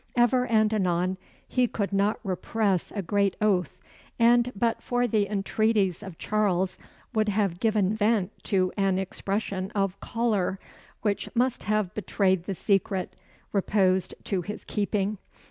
Ever and anon, he could not repress a great oath, and, but for the entreaties of Charles, would have given vent to an explosion of choler, which must have betrayed the secret reposed to his keeping.